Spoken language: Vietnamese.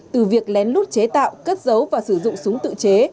từ việc lén lút chế tạo cất giấu và sử dụng súng tự chế